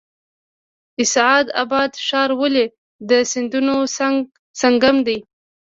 اسعد اباد ښار ولې د سیندونو سنگم دی؟